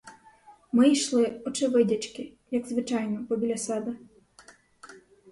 Ми йшли, очевидячки, як звичайно, побіля себе.